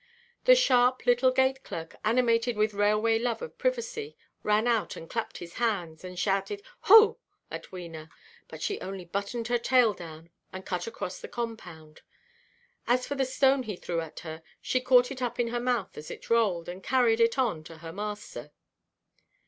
The sharp little gate–clerk, animated with railway love of privacy, ran out, and clapped his hands, and shouted "hoo" at Wena; but she only buttoned her tail down, and cut across the compound. As for the stone he threw at her, she caught it up in her mouth as it rolled, and carried it on to her master.